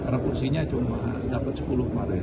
repursinya cuma dapat sepuluh kemarin